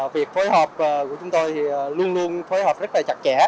việc phối hợp của chúng tôi luôn luôn phối hợp rất chặt chẽ